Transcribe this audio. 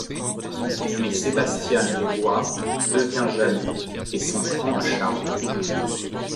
Mais Sebastian les voit, devient jaloux, et s'en prend à Charles.